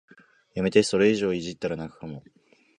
やめて、それ以上いじったら泣くかも